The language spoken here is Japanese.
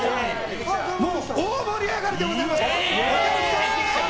大盛り上がりでございます。